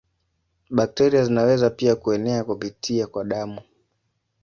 Bakteria zinaweza pia kuenea kupitia kwa damu.